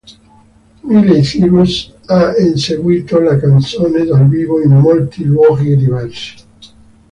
Miley Cyrus ha eseguito la canzone dal vivo in molti luoghi diversi.